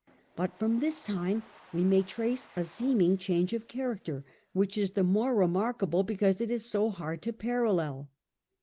But from this time we may trace a seeming change of character, which is the more remarkable because it is so hard to parallel.